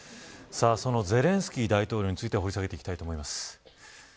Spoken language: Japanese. そのゼレンスキー大統領について掘り下げていきたいと思います。